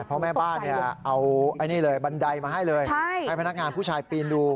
พ่อแม่บ้านเอาบันไดมาให้เลยให้พนักงานผู้ชายปีนดู